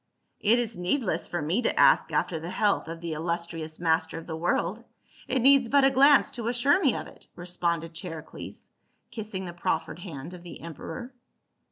" It is needless for me to ask after the health of the illustrious master of the world. It needs but a glance to assure me of it," responded Charicles, kissing the proffered hand of the emperor.